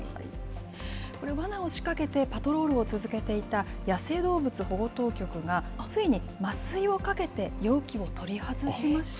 これ、わなを仕掛けてパトロールを続けていた野生動物保護当局が、ついに麻酔をかけて容器を取り外しました。